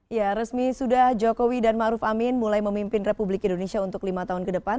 ya resmi sudah jokowi dan ⁇ maruf ⁇ amin mulai memimpin republik indonesia untuk lima tahun ke depan